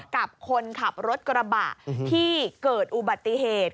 กับคนขับรถกระบะที่เกิดอุบัติเหตุ